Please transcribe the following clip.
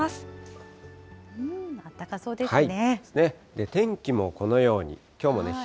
あったかそうですね。